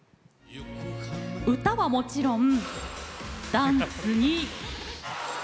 歌はもちろんダンスに笑い。